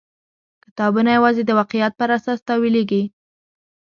کتابونه یوازې د واقعیت پر اساس تاویلېږي.